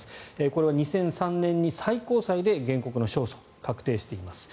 これは２００３年に最高裁で原告の勝訴が確定しています。